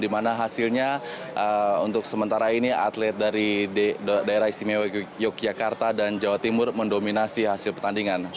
dimana hasilnya untuk sementara ini atlet dari daerah istimewa yogyakarta dan jawa timur mendominasi hasil pertandingan